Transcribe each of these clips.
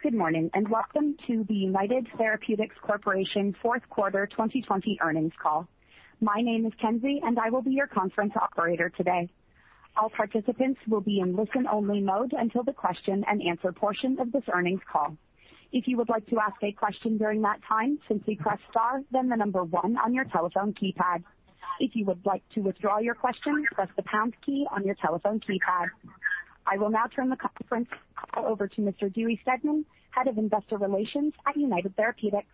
Good morning, welcome to the United Therapeutics Corporation fourth quarter 2020 earnings call. My name is Kenzie, and I will be your conference operator today. All participants will be in listen-only mode until the question and answer portion of this earnings call. If you would like to ask a question during that time, simply press star then the number one on your telephone keypad. If you would like to withdraw your question, press the pound key on your telephone keypad. I will now turn the conference call over to Mr. Dewey Steadman, Head of Investor Relations at United Therapeutics.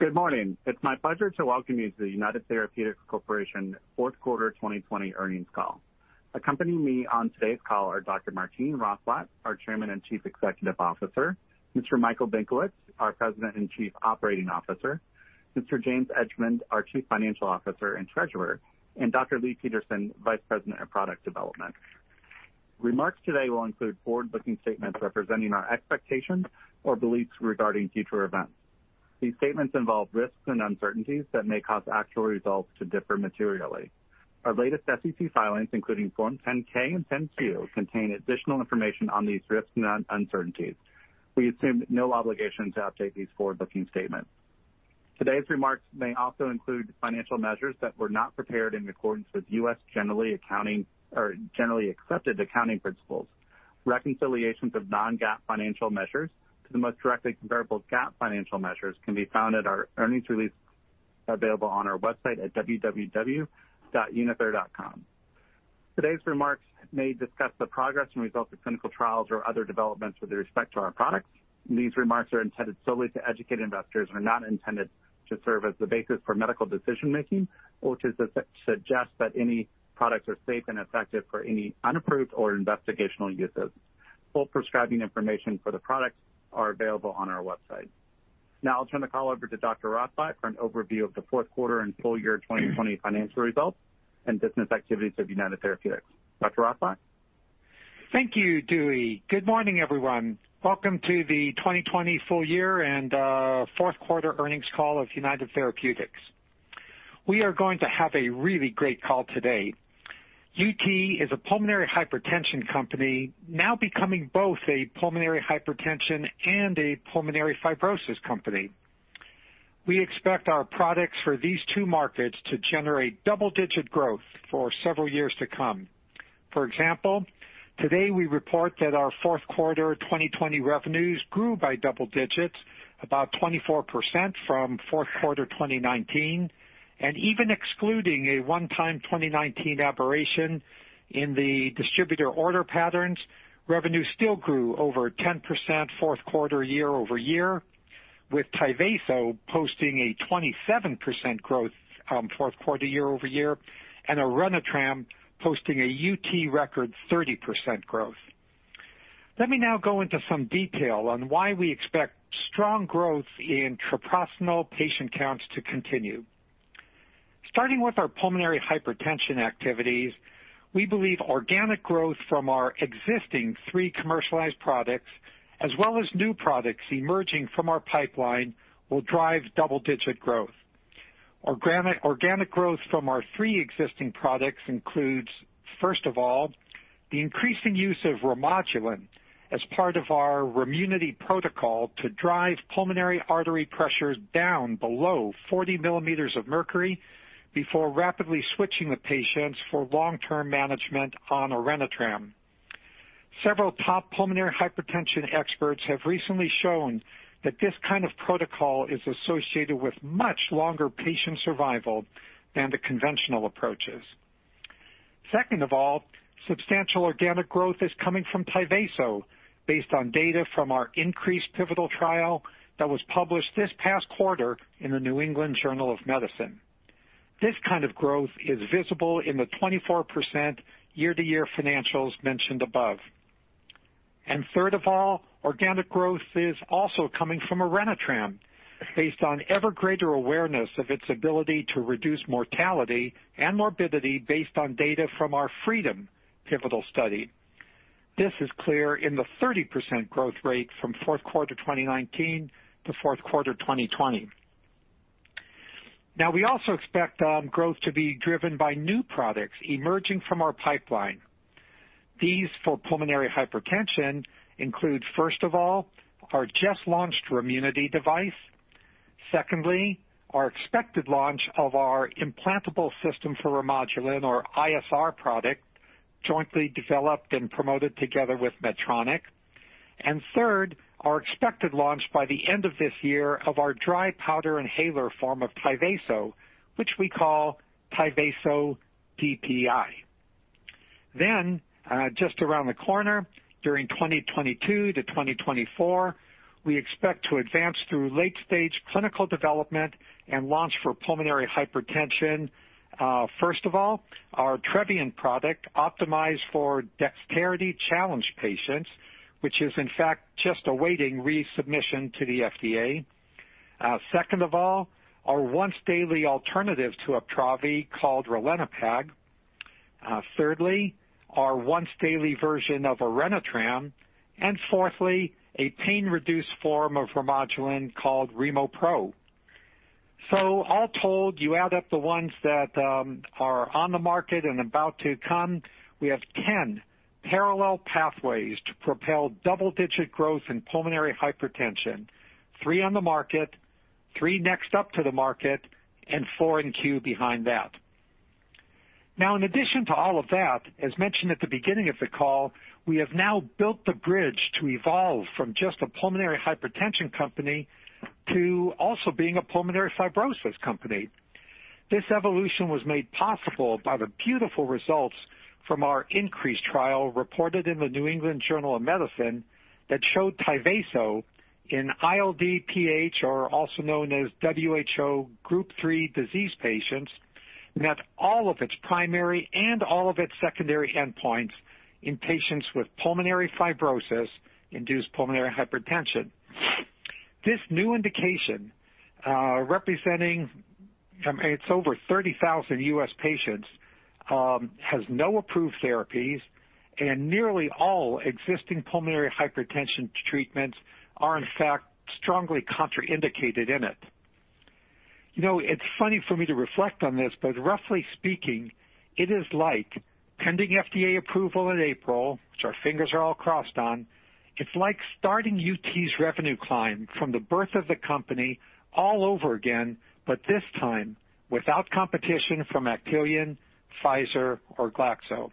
Good morning. It's my pleasure to welcome you to the United Therapeutics Corporation fourth quarter 2020 earnings call. Accompanying me on today's call are Dr. Martine Rothblatt, our Chairman and Chief Executive Officer, Mr. Michael Benkowitz, our President and Chief Operating Officer, Mr. James Edgemond, our Chief Financial Officer and Treasurer, and Dr. Leigh Peterson, Vice President of Product Development. Remarks today will include forward-looking statements representing our expectations or beliefs regarding future events. These statements involve risks and uncertainties that may cause actual results to differ materially. Our latest SEC filings, including Form 10-K and 10-Q, contain additional information on these risks and uncertainties. We assume no obligation to update these forward-looking statements. Today's remarks may also include financial measures that were not prepared in accordance with U.S. generally accepted accounting principles. Reconciliations of non-GAAP financial measures to the most directly comparable GAAP financial measures can be found at our earnings release available on our website at www.unither.com. Today's remarks may discuss the progress and results of clinical trials or other developments with respect to our products. These remarks are intended solely to educate investors and are not intended to serve as the basis for medical decision-making or to suggest that any products are safe and effective for any unapproved or investigational uses. Full prescribing information for the products are available on our website. I'll turn the call over to Dr. Rothblatt for an overview of the fourth quarter and full year 2020 financial results and business activities of United Therapeutics. Dr. Rothblatt? Thank you, Dewey. Good morning, everyone. Welcome to the 2020 full year and fourth quarter earnings call of United Therapeutics. We are going to have a really great call today. UT is a pulmonary hypertension company now becoming both a pulmonary hypertension and a pulmonary fibrosis company. We expect our products for these two markets to generate double-digit growth for several years to come. For example, today we report that our fourth quarter 2020 revenues grew by double digits, about 24% from fourth quarter 2019, and even excluding a one-time 2019 aberration in the distributor order patterns, revenue still grew over 10% fourth quarter year-over-year, with Tyvaso posting a 27% growth fourth quarter year-over-year and Orenitram posting a UT record 30% growth. Let me now go into some detail on why we expect strong growth in treprostinil patient counts to continue. Starting with our pulmonary hypertension activities, we believe organic growth from our existing three commercialized products as well as new products emerging from our pipeline will drive double-digit growth. Organic growth from our three existing products includes, first of all, the increasing use of Remodulin as part of our Remunity protocol to drive pulmonary artery pressures down below 40 mm of mercury before rapidly switching the patients for long-term management on Orenitram. Several top pulmonary hypertension experts have recently shown that this kind of protocol is associated with much longer patient survival than the conventional approaches. Second of all, substantial organic growth is coming from Tyvaso based on data from our INCREASE pivotal trial that was published this past quarter in The New England Journal of Medicine. This kind of growth is visible in the 24% year-to-year financials mentioned above. Third of all, organic growth is also coming from Orenitram based on ever greater awareness of its ability to reduce mortality and morbidity based on data from our FREEDOM pivotal study. This is clear in the 30% growth rate from fourth quarter 2019 to fourth quarter 2020. We also expect growth to be driven by new products emerging from our pipeline. These for pulmonary hypertension include, first of all, our just-launched Remunity device. Secondly, our expected launch of our Implantable System for Remodulin, or ISR product, jointly developed and promoted together with Medtronic. Third, our expected launch by the end of this year of our dry powder inhaler form of Tyvaso, which we call Tyvaso DPI. Just around the corner during 2022-2024, we expect to advance through late-stage clinical development and launch for pulmonary hypertension. Our Trevyent product optimized for dexterity-challenged patients, which is in fact just awaiting resubmission to the FDA. Our once-daily alternative to Uptravi called ralinepag. Our once-daily version of Orenitram. A pain-reduced form of Remodulin called RemoPro. All told, you add up the ones that are on the market and about to come, we have 10 parallel pathways to propel double-digit growth in pulmonary hypertension, three on the market, three next up to the market, and four in queue behind that. In addition to all of that, as mentioned at the beginning of the call, we have now built the bridge to evolve from just a pulmonary hypertension company to also being a pulmonary fibrosis company. This evolution was made possible by the beautiful results from our INCREASE trial reported in "The New England Journal of Medicine" that showed Tyvaso in ILD-PH, or also known as WHO Group 3 disease patients, met all of its primary and all of its secondary endpoints in patients with pulmonary fibrosis-induced pulmonary hypertension. This new indication, representing its over 30,000 U.S. patients, has no approved therapies, and nearly all existing pulmonary hypertension treatments are, in fact, strongly contraindicated in it. It's funny for me to reflect on this, but roughly speaking, it is like pending FDA approval in April, which our fingers are all crossed on, it's like starting UT's revenue climb from the birth of the company all over again, but this time without competition from Actelion, Pfizer, or Glaxo.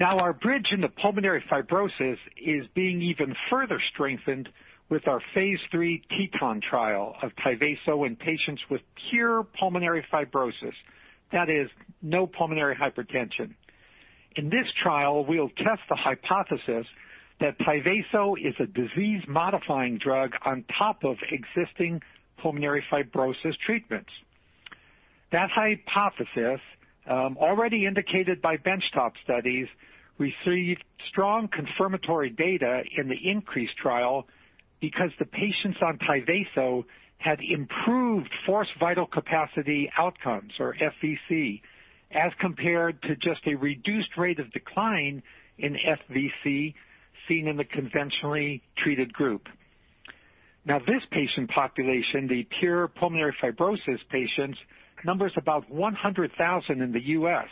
Our bridge into pulmonary fibrosis is being even further strengthened with our phase III TETON trial of Tyvaso in patients with pure pulmonary fibrosis. That is, no pulmonary hypertension. In this trial, we'll test the hypothesis that Tyvaso is a disease-modifying drug on top of existing pulmonary fibrosis treatments. That hypothesis, already indicated by benchtop studies, received strong confirmatory data in the INCREASE trial because the patients on Tyvaso had improved forced vital capacity outcomes, or FVC, as compared to just a reduced rate of decline in FVC seen in the conventionally treated group. This patient population, the pure pulmonary fibrosis patients, numbers about 100,000 in the U.S.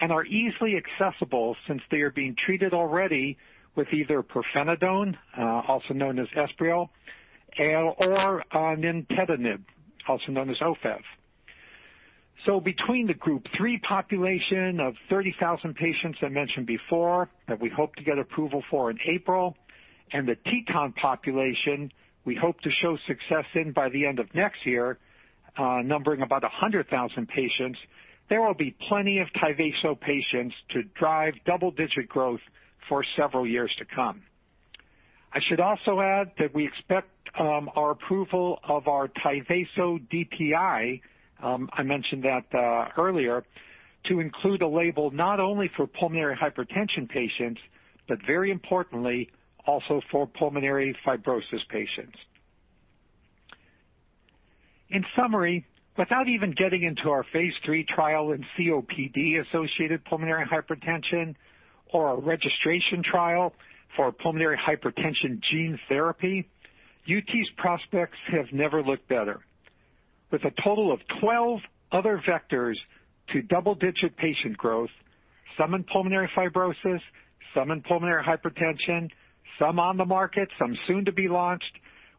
and are easily accessible since they are being treated already with either pirfenidone, also known as Esbriet, or nintedanib, also known as OFEV. Between the Group 3 population of 30,000 patients I mentioned before that we hope to get approval for in April, and the TETON population we hope to show success in by the end of next year, numbering about 100,000 patients, there will be plenty of Tyvaso patients to drive double-digit growth for several years to come. I should also add that we expect our approval of our Tyvaso DPI, I mentioned that earlier, to include a label not only for pulmonary hypertension patients, but very importantly, also for pulmonary fibrosis patients. In summary, without even getting into our phase III trial in COPD-associated pulmonary hypertension or our registration trial for pulmonary hypertension gene therapy, UT's prospects have never looked better. With a total of 12 other vectors to double-digit patient growth, some in pulmonary fibrosis, some in pulmonary hypertension, some on the market, some soon to be launched,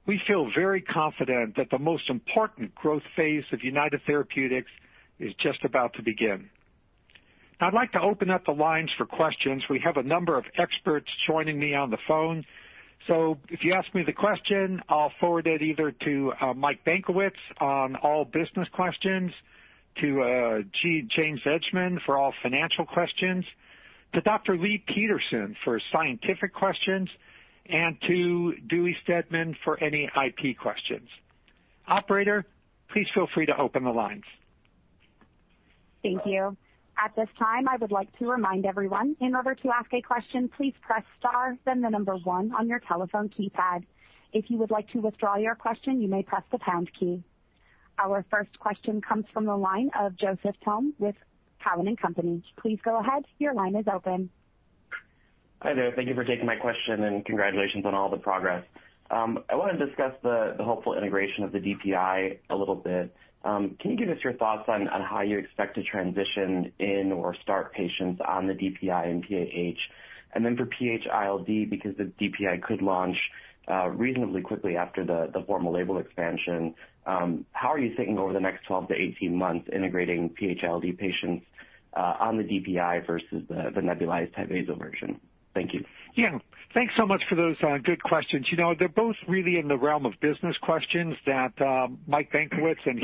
we feel very confident that the most important growth phase of United Therapeutics is just about to begin. I'd like to open up the lines for questions. We have a number of experts joining me on the phone. If you ask me the question, I'll forward it either to Mike Benkowitz on all business questions, to James Edgemond for all financial questions, to Dr. Leigh Peterson for scientific questions, and to Dewey Steadman for any IP questions. Operator, please feel free to open the lines. Thank you. At this time, I would like to remind everyone, in order to ask a question, please press star then the number one on your telephone keypad. If you would like to withdraw your question, you may press the pound key. Our first question comes from the line of Joseph Thome with Cowen and Company. Please go ahead. Your line is open. Hi there. Thank you for taking my question, and congratulations on all the progress. I want to discuss the hopeful integration of the DPI a little bit. Can you give us your thoughts on how you expect to transition in or start patients on the DPI in PAH? For PH-ILD, because the DPI could launch reasonably quickly after the formal label expansion, how are you thinking over the next 12-18 months integrating PH-ILD patients on the DPI versus the nebulized Tyvaso version? Thank you. Yeah. Thanks so much for those good questions. They're both really in the realm of business questions that Mike Benkowitz and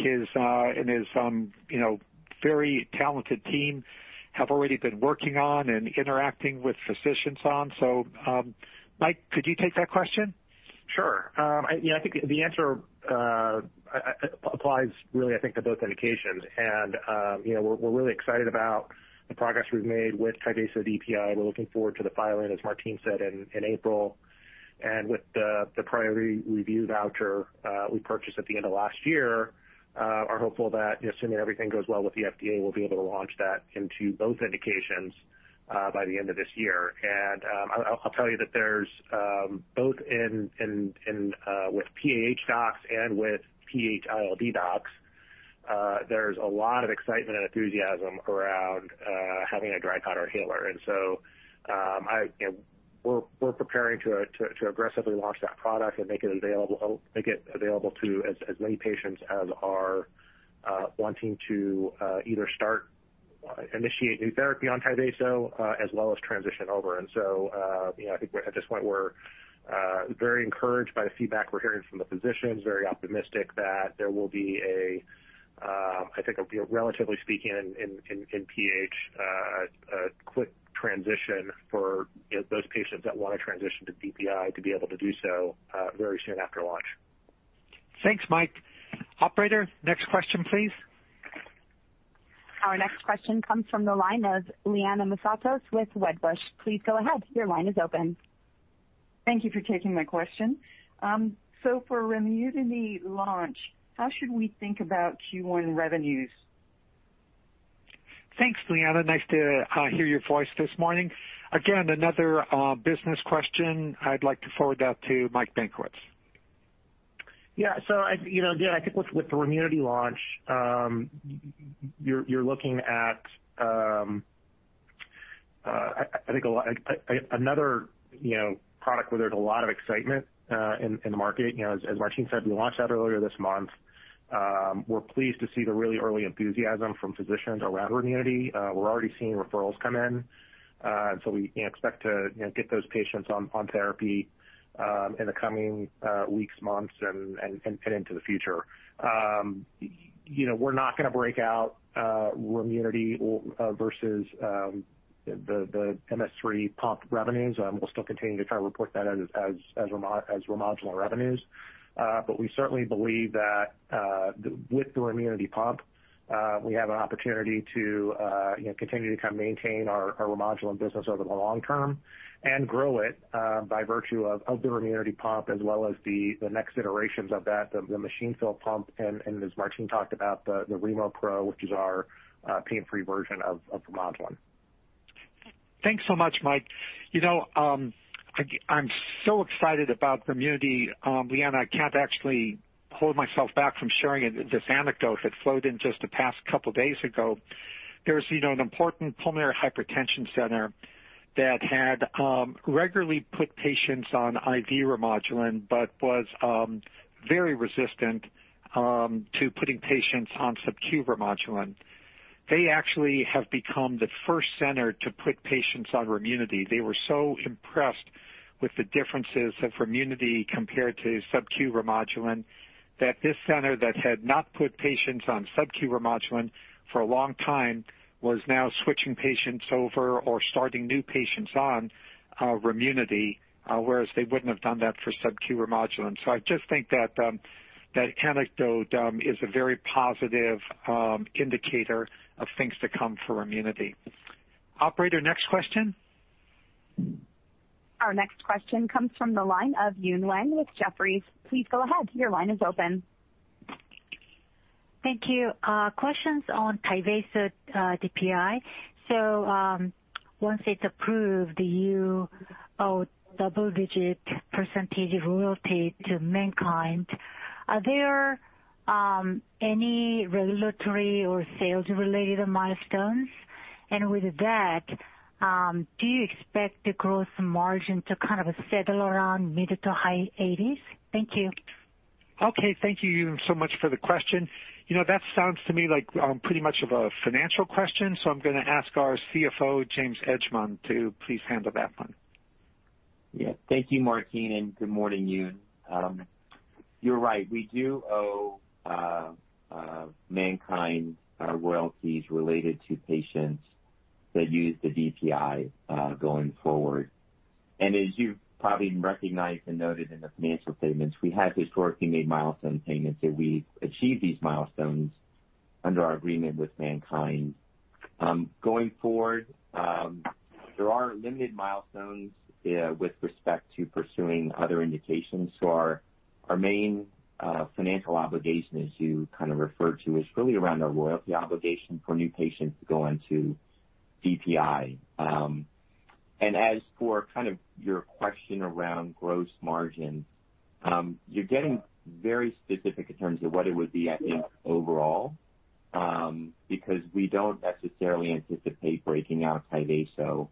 his very talented team have already been working on and interacting with physicians on. Mike, could you take that question? Sure. I think the answer applies really, I think, to both indications. We're really excited about the progress we've made with Tyvaso DPI. We're looking forward to the filing, as Martine said, in April. With the priority review voucher we purchased at the end of last year, are hopeful that assuming everything goes well with the FDA, we'll be able to launch that into both indications by the end of this year. I'll tell you that there's both in with PAH docs and with PH-ILD docs, there's a lot of excitement and enthusiasm around having a dry powder inhaler. We're preparing to aggressively launch that product and make it available to as many patients as are wanting to either start, initiate new therapy on Tyvaso, as well as transition over. I think at this point we're very encouraged by the feedback we're hearing from the physicians, very optimistic that there will be relatively speaking in PH, a quick transition for those patients that want to transition to DPI to be able to do so very soon after launch. Thanks, Mike. Operator, next question, please. Our next question comes from the line of Liana Moussatos with Wedbush. Please go ahead. Your line is open. Thank you for taking my question. For Remunity launch, how should we think about Q1 revenues? Thanks, Liana. Nice to hear your voice this morning. Again, another business question. I'd like to forward that to Mike Benkowitz. Yeah. Again, I think with the Remunity launch, you're looking at, I think another product where there's a lot of excitement in the market. As Martine said, we launched that earlier this month. We're pleased to see the really early enthusiasm from physicians around Remunity. We're already seeing referrals come in. We expect to get those patients on therapy in the coming weeks, months, and into the future. We're not going to break out Remunity versus the CADD-MS 3 revenues. We'll still continue to try to report that as Remodulin revenues. We certainly believe that with the Remunity pump, we have an opportunity to continue to maintain our Remodulin business over the long term and grow it by virtue of the Remunity pump as well as the next iterations of that, the machine fill pump, and as Martine talked about, the RemoPro, which is our pain-free version of Remodulin. Thanks so much, Mike. I'm so excited about Remunity. Liana, I can't actually hold myself back from sharing this anecdote that flowed in just the past couple of days ago. There's an important pulmonary hypertension center that had regularly put patients on intravenous Remodulin but was very resistant to putting patients on subcutaneous Remodulin. They actually have become the first center to put patients on Remunity. They were so impressed with the differences of Remunity compared to subcutaneous Remodulin that this center that had not put patients on subcutaneous Remodulin for a long time was now switching patients over or starting new patients on Remunity, whereas they wouldn't have done that for subcutaneous Remodulin. I just think that anecdote is a very positive indicator of things to come for Remunity. Operator, next question. Our next question comes from the line of Eun Yang with Jefferies. Please go ahead. Your line is open. Thank you. Questions on Tyvaso DPI. Once it's approved, you owe double-digit percentage of royalty to MannKind. Are there any regulatory or sales-related milestones? With that, do you expect the gross margin to kind of settle around mid-to-high 80s%? Thank you. Okay. Thank you, Roger Song, so much for the question. That sounds to me like pretty much of a financial question, I'm going to ask our CFO, James Edgemond, to please handle that one. Thank you, Martine, and good morning, Eun. You're right. We do owe MannKind our royalties related to patients that use the DPI going forward. As you probably recognized and noted in the financial statements, we have historically made milestone payments if we achieve these milestones under our agreement with MannKind. Going forward, there are limited milestones with respect to pursuing other indications. Our main financial obligation, as you kind of referred to, is really around our royalty obligation for new patients going to DPI. As for your question around gross margin, you're getting very specific in terms of what it would be, I think, overall because we don't necessarily anticipate breaking out Tyvaso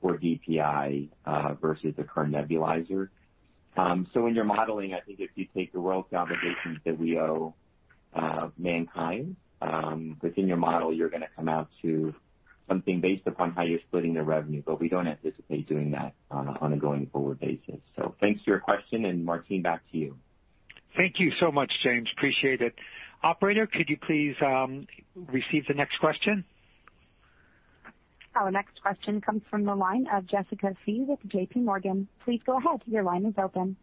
for DPI versus the current nebulizer. In your modeling, I think if you take the royalty obligations that we owe MannKind within your model, you're going to come out to something based upon how you're splitting the revenue. We don't anticipate doing that on a going forward basis. Thanks for your question, and Martine, back to you. Thank you so much, James. Appreciate it. Operator, could you please receive the next question? Our next question comes from the line of Jessica Fye with JPMorgan. Please go ahead. Your line is open.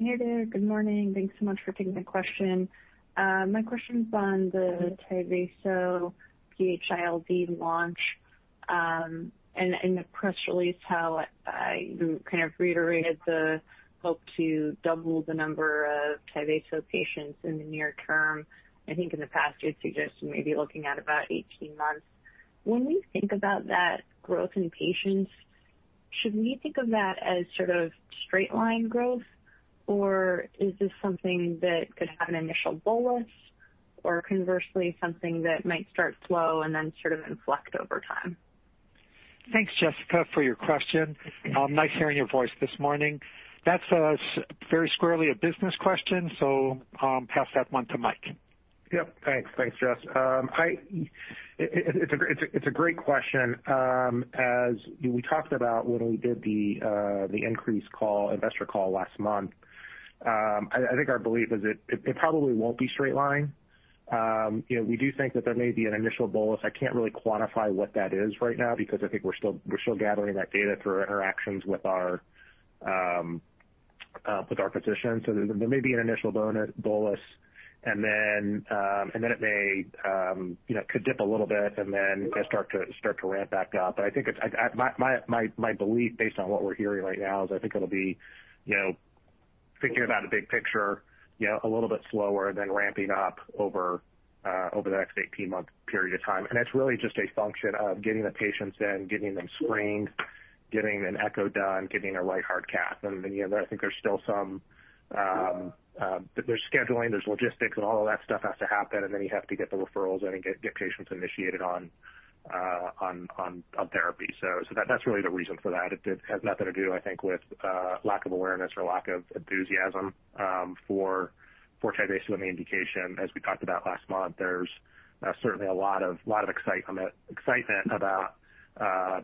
Hey there. Good morning. Thanks so much for taking my question. My question's on the Tyvaso PH-ILD launch and the press release how you kind of reiterated the hope to double the number of Tyvaso patients in the near term. I think in the past you had suggested maybe looking at about 18 months. When we think about that growth in patients Should we think of that as sort of straight line growth? Or is this something that could have an initial bolus or conversely, something that might start slow and then sort of inflect over time? Thanks, Jessica, for your question. Nice hearing your voice this morning. That's very squarely a business question, so pass that one to Mike. Yep. Thanks, Jess. It's a great question. As we talked about when we did the INCREASE investor call last month. I think our belief is it probably won't be straight line. We do think that there may be an initial bolus. I can't really quantify what that is right now, because I think we're still gathering that data through our interactions with our physicians. There may be an initial bolus and then it could dip a little bit and then start to ramp back up. My belief, based on what we're hearing right now, is I think it'll be, thinking about a big picture, a little bit slower then ramping up over the next 18-month period of time. That's really just a function of getting the patients in, getting them screened, getting an echo done, getting a right heart catheterization. I think there's scheduling, there's logistics, and all of that stuff has to happen, and then you have to get the referrals and get patients initiated on therapy. That's really the reason for that. It has nothing to do, I think, with lack of awareness or lack of enthusiasm for Tyvaso in the indication. As we talked about last month, there's certainly a lot of excitement about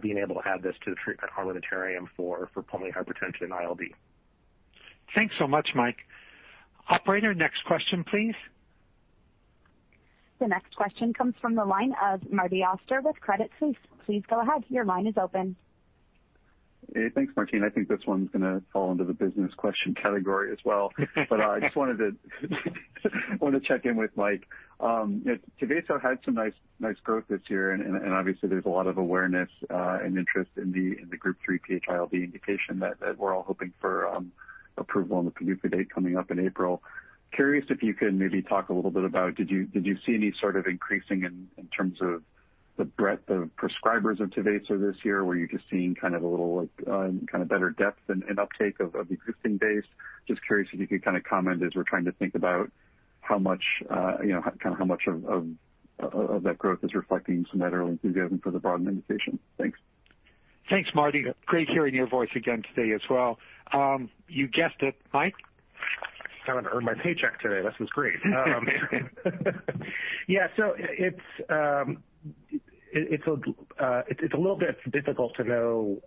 being able to add this to the treatment armamentarium for pulmonary hypertension and ILD. Thanks so much, Mike. Operator, next question, please. The next question comes from the line of Martin Auster with Credit Suisse. Please go ahead. Your line is open. Hey, thanks, Martine. I think this one's going to fall into the business question category as well. I just wanted to check in with Mike. Tyvaso had some nice growth this year, and obviously there's a lot of awareness and interest in the Group 3 PAH ILD indication that we're all hoping for approval on the PDUFA date coming up in April. Curious if you can maybe talk a little bit about did you see any sort of increasing in terms of the breadth of prescribers of Tyvaso this year? Were you just seeing kind of a little better depth and uptake of existing base? Just curious if you could kind of comment as we're trying to think about how much of that growth is reflecting some of that early enthusiasm for the broadened indication. Thanks. Thanks, Martin. Great hearing your voice again today as well. You guessed it, Mike? Kind of earned my paycheck today. This is great. Yeah. It's a little bit difficult to know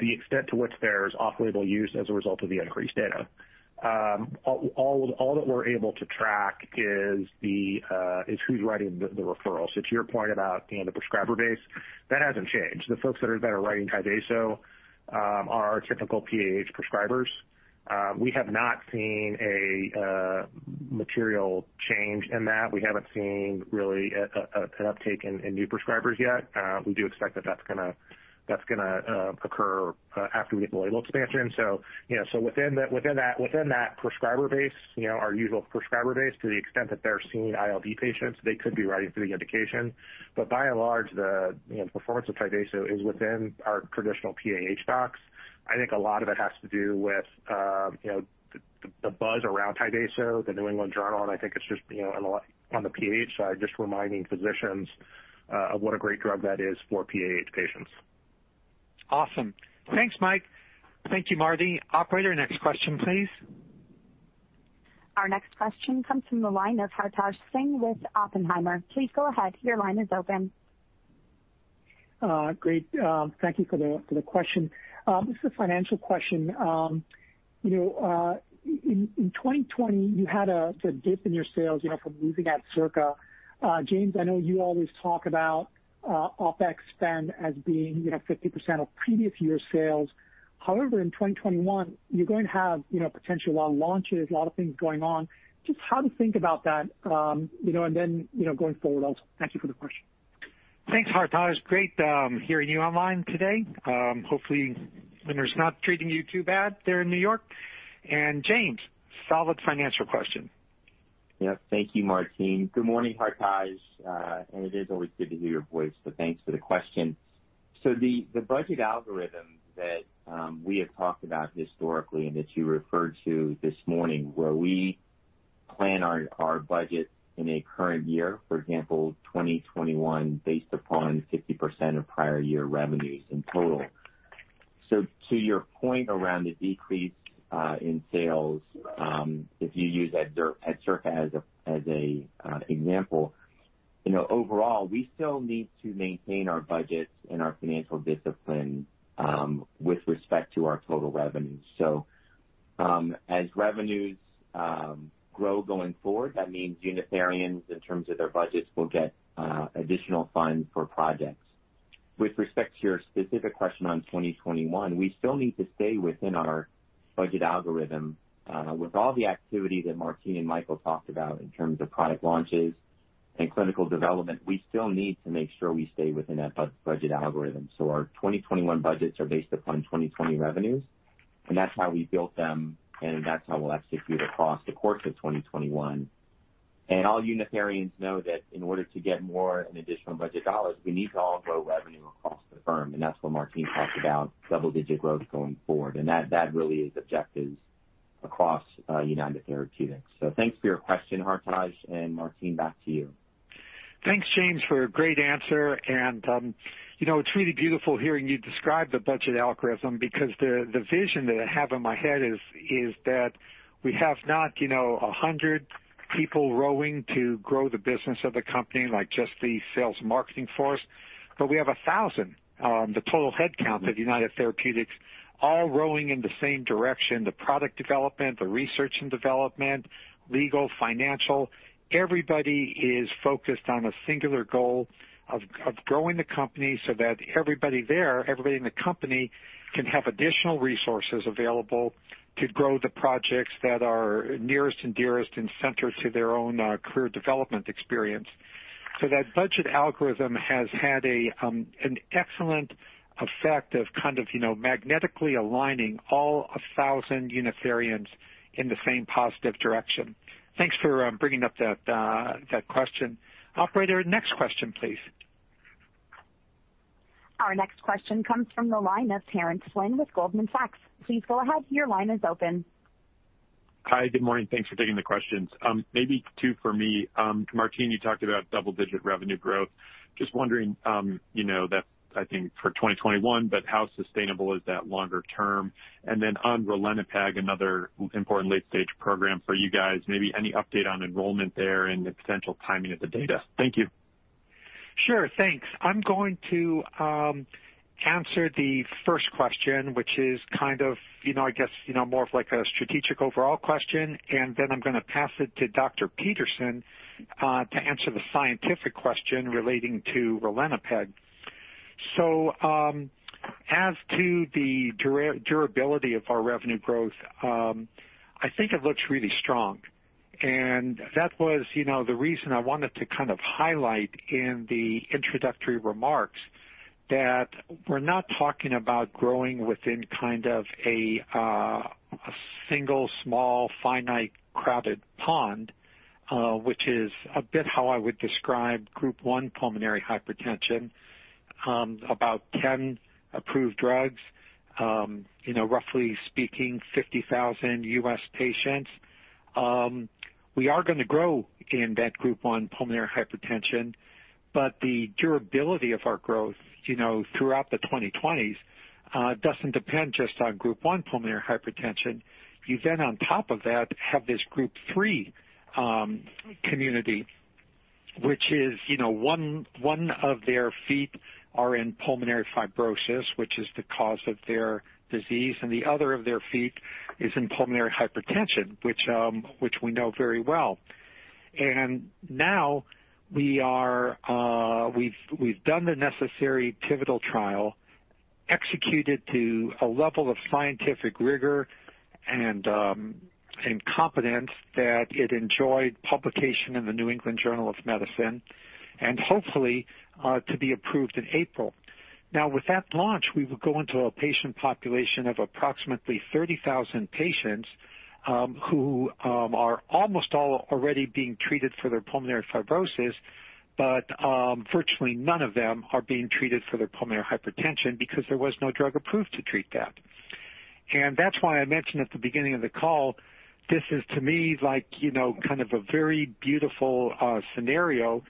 the extent to which there's off-label use as a result of the INCREASE data. All that we're able to track is who's writing the referrals. To your point about the prescriber base, that hasn't changed. The folks that are writing Tyvaso are typical PAH prescribers. We have not seen a material change in that. We haven't seen really an uptake in new prescribers yet. We do expect that that's going to occur after we get the label expansion. Within that prescriber base, our usual prescriber base, to the extent that they're seeing ILD patients, they could be writing for the indication. By and large, the performance of Tyvaso is within our traditional PAH docs. I think a lot of it has to do with the buzz around Tyvaso, The New England Journal, and I think it's just on the PAH side, just reminding physicians of what a great drug that is for PAH patients. Awesome. Thanks, Mike. Thank you, Martin. Operator, next question, please. Our next question comes from the line of Hartaj Singh with Oppenheimer. Please go ahead. Your line is open. Great. Thank you for the question. This is a financial question. In 2020, you had a dip in your sales from losing Adcirca. James, I know you always talk about OpEx spend as being 50% of previous year's sales. However, in 2021, you're going to have potential lot of launches, a lot of things going on. Just how to think about that and then going forward also. Thank you for the question. Thanks, Hartaj. It's great hearing you online today. Hopefully winter's not treating you too bad there in New York. James, solid financial question. Yes. Thank you, Martine. Good morning, Hartaj. It is always good to hear your voice, so thanks for the question. The budget algorithm that we have talked about historically and that you referred to this morning, where we plan our budget in a current year, for example, 2021, based upon 50% of prior year revenues in total. To your point around the decrease in sales, if you use Adcirca as an example, overall we still need to maintain our budgets and our financial discipline with respect to our total revenues. As revenues grow going forward, that means Unitherians in terms of their budgets will get additional funds for projects. With respect to your specific question on 2021, we still need to stay within our budget algorithm. With all the activity that Martine and Michael talked about in terms of product launches and clinical development, we still need to make sure we stay within that budget algorithm. Our 2021 budgets are based upon 2020 revenues, and that's how we built them and that's how we'll execute across the course of 2021. All Unitherians know that in order to get more and additional budget dollars, we need to all grow revenue across the firm. That's what Martine talked about, double-digit growth going forward. That really is objectives across United Therapeutics. Thanks for your question, Hartaj, and Martine, back to you. Thanks, James, for a great answer. It's really beautiful hearing you describe the budget algorithm because the vision that I have in my head is that we have not 100 people rowing to grow the business of the company, like just the sales marketing force, but we have 1,000. The total headcount of United Therapeutics all rowing in the same direction. The product development, the research and development, legal, financial, everybody is focused on a singular goal of growing the company so that everybody there, everybody in the company, can have additional resources available to grow the projects that are nearest and dearest and centered to their own career development experience. That budget algorithm has had an excellent effect of magnetically aligning all 1,000 Unitherians in the same positive direction. Thanks for bringing up that question. Operator, next question, please. Our next question comes from the line of Terence Flynn with Goldman Sachs. Please go ahead. Your line is open. Hi. Good morning. Thanks for taking the questions. Maybe two for me. Martine, you talked about double-digit revenue growth. Just wondering, that I think for 2021, but how sustainable is that longer term? On ralinepag, another important late-stage program for you guys, maybe any update on enrollment there and the potential timing of the data. Thank you. Sure. Thanks. I'm going to answer the first question, which is more of a strategic overall question, and then I'm going to pass it to Dr. Peterson to answer the scientific question relating to ralinepag. As to the durability of our revenue growth, I think it looks really strong. That was the reason I wanted to highlight in the introductory remarks that we're not talking about growing within a single, small, finite, crowded pond, which is a bit how I would describe Group 1 pulmonary hypertension. About 10 approved drugs, roughly speaking, 50,000 U.S. patients. We are going to grow in that Group 1 pulmonary hypertension, but the durability of our growth throughout the 2020s doesn't depend just on Group 1 pulmonary hypertension. You on top of that, have this Group 3 community, which is one of their feet are in pulmonary fibrosis, which is the cause of their disease, and the other of their feet is in pulmonary hypertension, which we know very well. Now we've done the necessary pivotal trial, executed to a level of scientific rigor and competence that it enjoyed publication in the New England Journal of Medicine, and hopefully, to be approved in April. Now with that launch, we will go into a patient population of approximately 30,000 patients, who are almost all already being treated for their pulmonary fibrosis, but virtually none of them are being treated for their pulmonary hypertension because there was no drug approved to treat that. That's why I mentioned at the beginning of the call, this is to me like kind of a very beautiful scenario.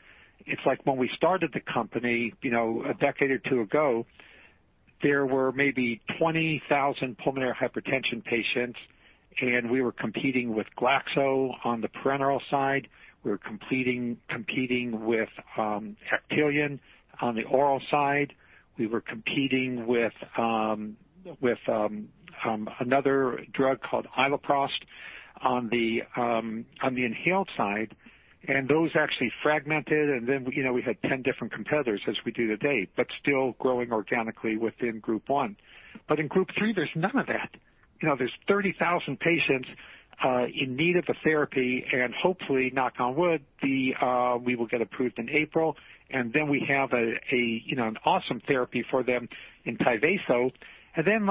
It's like when we started the company a decade or two ago, there were maybe 20,000 pulmonary hypertension patients, and we were competing with GSK on the parenteral side. We were competing with Actelion on the oral side. We were competing with another drug called iloprost on the inhaled side. Those actually fragmented, and then we had 10 different competitors as we do today, but still growing organically within Group 1. In Group 3, there's none of that. There's 30,000 patients in need of a therapy, and hopefully, knock on wood, we will get approved in April, and then we have an awesome therapy for them in Tyvaso. Then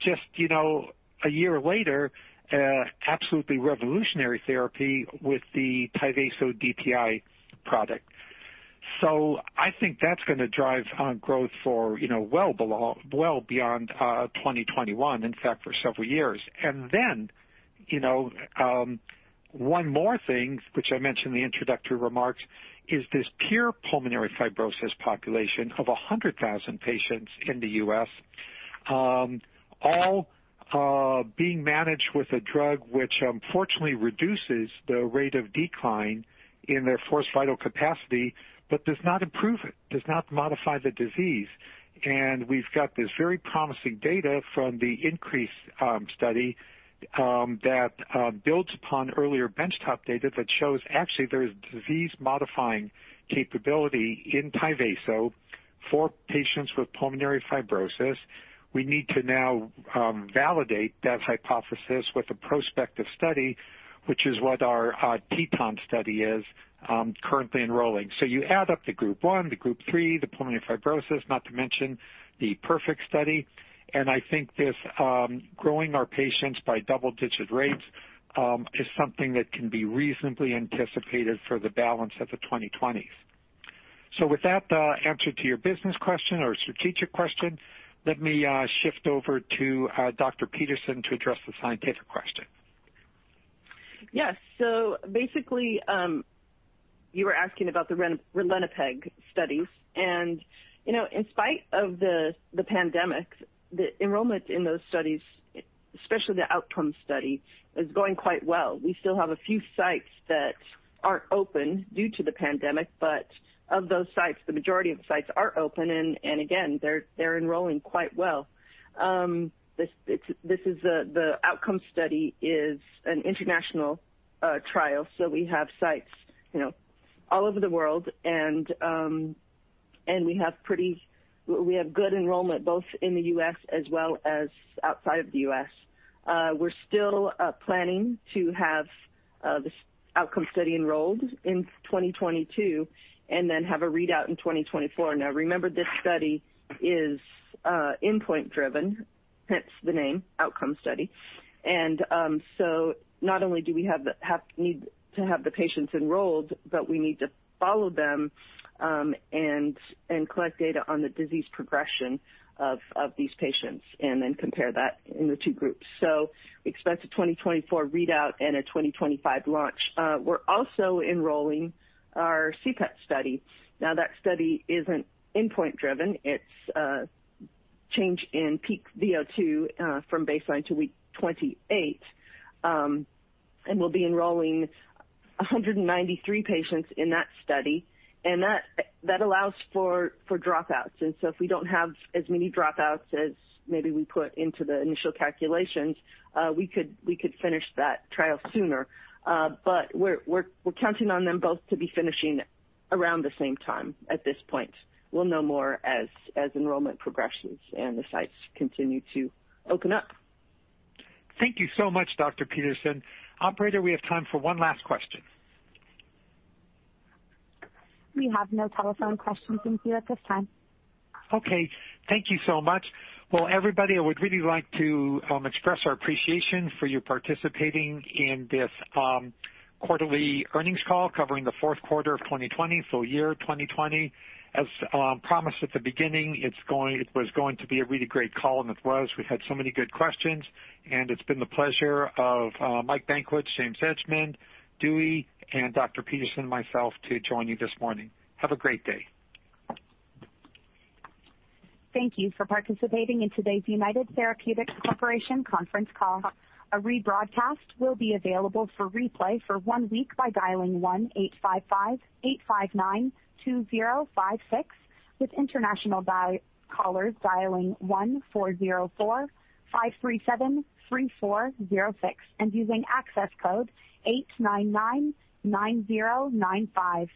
just a year later, absolutely revolutionary therapy with the Tyvaso DPI product. I think that's going to drive growth for well beyond 2021, in fact, for several years. One more thing, which I mentioned in the introductory remarks, is this pure pulmonary fibrosis population of 100,000 patients in the U.S., all being managed with a drug which unfortunately reduces the rate of decline in their forced vital capacity but does not improve it, does not modify the disease. We've got this very promising data from the INCREASE study, that builds upon earlier benchtop data that shows actually there is disease-modifying capability in Tyvaso for patients with pulmonary fibrosis. We need to now validate that hypothesis with a prospective study, which is what our TETON study is currently enrolling. You add up the Group 1, the Group 3, the pulmonary fibrosis, not to mention the PERFECT study, and I think this growing our patients by double-digit rates is something that can be reasonably anticipated for the balance of the 2020s. With that answer to your business question or strategic question, let me shift over to Dr. Peterson to address the scientific question. Yes. Basically, you were asking about the ralinepag studies. In spite of the pandemic, the enrollment in those studies, especially the OUTCOME study, is going quite well. We still have a few sites that aren't open due to the pandemic, but of those sites, the majority of the sites are open, and again, they're enrolling quite well. The OUTCOME study is an international trial, so we have sites all over the world, and we have good enrollment both in the U.S. as well as outside of the U.S. We're still planning to have this OUTCOME study enrolled in 2022 and then have a readout in 2024. Remember, this study is endpoint driven, hence the name, OUTCOME study. Not only do we need to have the patients enrolled, but we need to follow them and collect data on the disease progression of these patients, and then compare that in the two groups. We expect a 2024 readout and a 2025 launch. We're also enrolling our CPET study. Now, that study isn't endpoint driven. It's a change in peak VO2 from baseline to week 28. We'll be enrolling 193 patients in that study, and that allows for dropouts. If we don't have as many dropouts as maybe we put into the initial calculations, we could finish that trial sooner. We're counting on them both to be finishing around the same time at this point. We'll know more as enrollment progressions and the sites continue to open up. Thank you so much, Dr. Peterson. Operator, we have time for one last question. We have no telephone questions in queue at this time. Okay. Thank you so much. Well, everybody, I would really like to express our appreciation for you participating in this quarterly earnings call covering the fourth quarter of 2020, so year 2020. As promised at the beginning, it was going to be a really great call, and it was. We had so many good questions, and it's been the pleasure of Mike Benkowitz, James Edgemond, Dewey, and Dr. Peterson, and myself to join you this morning. Have a great day. Thank you for participating in today's United Therapeutics Corporation conference call. A rebroadcast will be available for replay for one week by dialing 1-855-859-2056 with international callers dialing 1-404-537-3406 and using access code 8999095.